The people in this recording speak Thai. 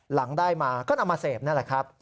หลังได้มาก็นำมาเสพนั่นแหละครับ